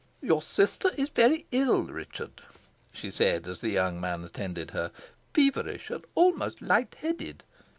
"Your sister is very ill, Richard," she said, as the young man attended her, "feverish, and almost light headed.